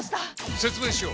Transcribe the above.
説明しよう！